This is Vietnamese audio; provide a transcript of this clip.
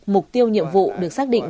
mục tiêu nhiệm vụ được xác định